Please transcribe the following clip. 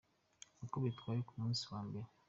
Uko bitwaye ku munsi wa mbere.